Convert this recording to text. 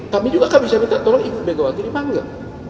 kami juga minta tolong ibu megawati dipanggil